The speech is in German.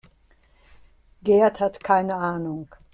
Gerd hat keine Ahnung.